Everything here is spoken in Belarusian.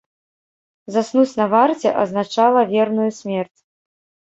Заснуць на варце азначала верную смерць.